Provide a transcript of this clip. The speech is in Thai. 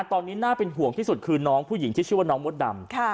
ตอนนี้น่าเป็นห่วงที่สุดคือน้องผู้หญิงที่ชื่อว่าน้องมดดำ